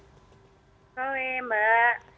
selamat sore mbak